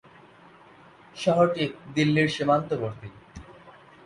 শহরটি দিল্লির সীমান্তবর্তী।